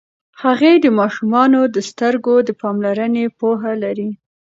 هغې د ماشومانو د سترګو د پاملرنې پوهه لري.